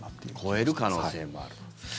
超える可能性もあると。